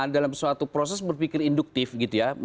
dalam suatu proses berpikir induktif gitu ya